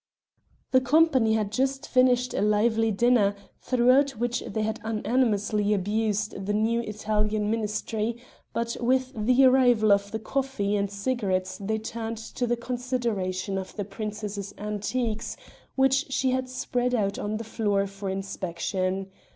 The company had just finished a lively dinner, throughout which they had unanimously abused the new Italian Ministry; but with the arrival of the coffee and cigarettes they turned to the consideration of the princess's antiquities which she had spread out on the floor for inspection.